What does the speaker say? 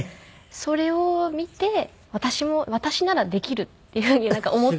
それを見て私も私ならできるっていうふうに思ったらしくて。